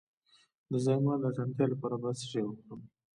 د زایمان د اسانتیا لپاره باید څه شی وخورم؟